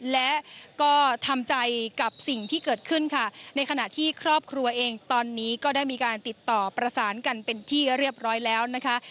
และก็ทำใจกับสิ่งที่เกิดขึ้นค่ะในขณะที่ครอบครัวเองตอนนี้ก็ได้มีการติดต่อประสานกันเป็นที่เรียบร้อยแล้วนะคะ